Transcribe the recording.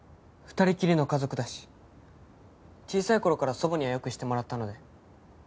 ２人きりの家族だし小さい頃から祖母には良くしてもらったので。